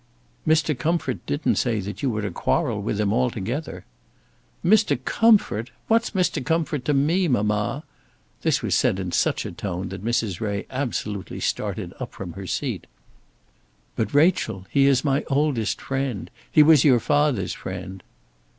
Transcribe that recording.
"Mr. Comfort didn't say that you were to quarrel with him altogether." "Mr. Comfort! What's Mr. Comfort to me, mamma?" This was said in such a tone that Mrs. Ray absolutely started up from her seat. "But, Rachel, he is my oldest friend. He was your father's friend."